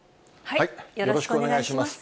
よろしくお願いします。